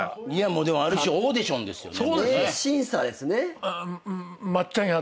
ある種オーディションですよね。